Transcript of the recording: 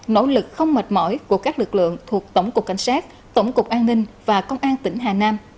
nỗ lực không mệt mỏi của các lực lượng thuộc tổng cục cảnh sát tổng cục an ninh và công an tỉnh hà nam